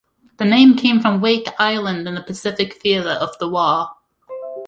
The name came from Wake Island in the Pacific theater of the war.